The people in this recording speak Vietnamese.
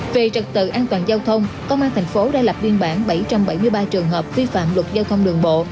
về trật tự an toàn giao thông công an tp hcm đã lập viên bản bảy trăm bảy mươi ba trường hợp vi phạm luật giao thông đường bộ